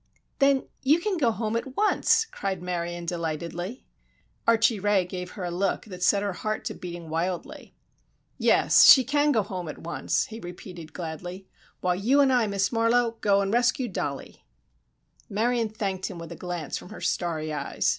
"Then you can go home at once," cried Marion, delightedly. Archie Ray gave her a look that set her heart to beating wildly. "Yes, she can go home at once," he repeated, gladly, "while you and I, Miss Marlowe, go to rescue Dollie." Marion thanked him with a glance from her starry eyes.